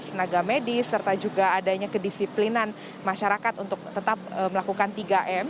tenaga medis serta juga adanya kedisiplinan masyarakat untuk tetap melakukan tiga m